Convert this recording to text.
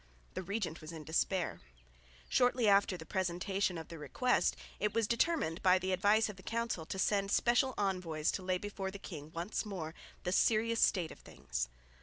The regent was in despair. Shortly after the presentation of the Request it was determined by the advice of the council to send special envoys to lay before the king once more the serious state of things.